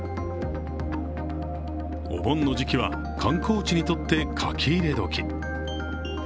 お盆の時期は観光地にとって書き入れ時。